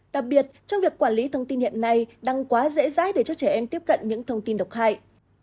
đặc biệt trong việc quản lý thông tin hiện nay đang quá dễ dãi để cho trẻ em tiếp cận những thông tin độc hại